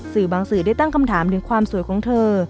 สื่อบางสื่อได้ตั้งคำถามถึงความสวยของเธอ